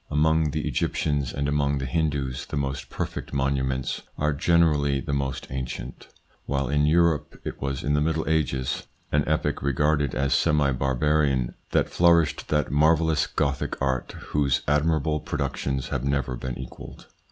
Among the Egyptians and among the Hindoos the most perfect monuments are generally the most ancient ; while in Europe, it was in the Middle Ages, an epoch regarded as semi barbarian, that flourished that marvellous Gothic art whose admirable productions have never been equalled.